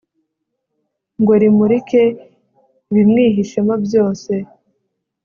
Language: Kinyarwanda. ngo rimurike ibimwihishemo byose